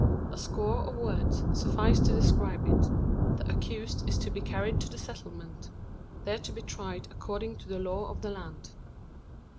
A score of words suffice to describe it. The accused is to be carried to the settlement there to be tried according to the law of the land.